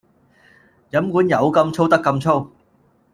飲管有咁粗得咁粗